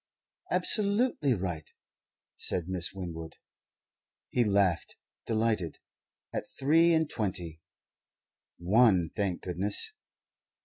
"Absolutely right," said Miss Winwood. He laughed, delighted. At three and twenty, one thank goodness!